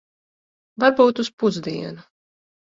Varbūt uz pusdienu.